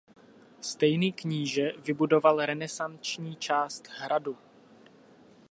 Stejný kníže vybudoval renesanční část hradu.